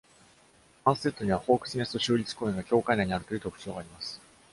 アンステッドにはホークスネスト州立公園が境界内にあるという特徴があります。